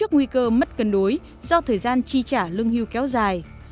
nguy cơ mất cân đối do thời gian chi trả lương hưu kéo dài